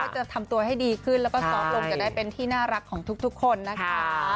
จะทำตัวให้ดีขึ้นแล้วก็ซอฟต์ลงจะได้เป็นที่น่ารักของทุกคนนะคะ